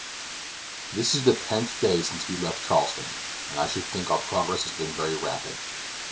This is the tenth day since we left Charleston, and I should think our progress has been very rapid.